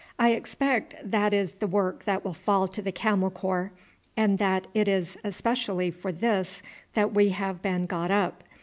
I expect that is the work that will fall to the Camel Corps, and that it is specially for this that we have been got up.